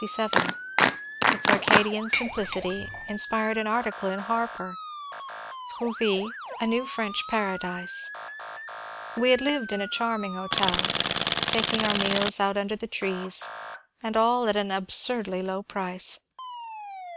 Its Arcadian simplicity inspired an article in " Harper "—Trouville : a new French Paradise." We had lived in a charming hotel, taking our meals out under the trees, and all at an absurdly low price.